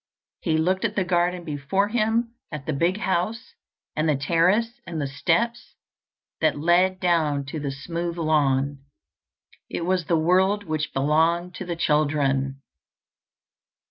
He looked at the garden before him, at the big house, and the terrace, and the steps that led down to the smooth lawn it was the world which belonged to the children.